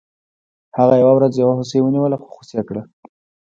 هغه یوه ورځ یو هوسۍ ونیوله خو خوشې یې کړه.